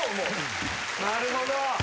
なるほど。